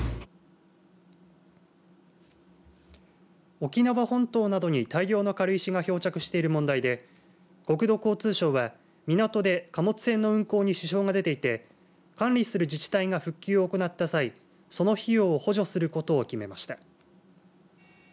沖縄本島などに大量の軽石が漂着している問題で国土交通省は港で貨物船の運航に支障が出ていて管理する自治体が復旧を行った際その費用を補助することを決めました。